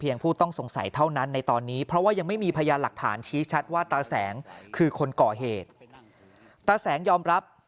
ยังไม่มีพยายามหลักฐานชี้ชัดว่าตาแสงคือคนก่อเหตุตาแสงยอมรับ